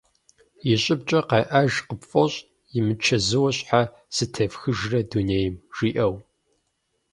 И щӏыбкӏэ къеӏэж къыпфӏощӏ «имычэзууэ щхьэ сытефхыжрэ дунейм?» жиӏэу.